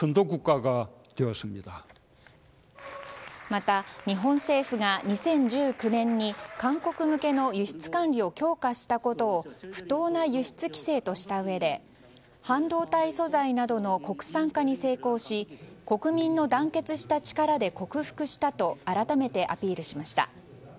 また、日本政府が２０１９年に韓国向けの輸出管理を強化したことを不当な輸出規制としたうえで半導体素材などの国産化に成功し国民の団結した力で克服したと改めてアピールしました。